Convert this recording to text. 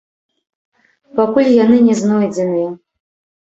Пакуль яны не знойдзеныя.